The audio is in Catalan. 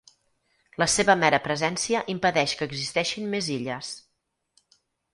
La seva mera presència impedeix que existeixin més illes.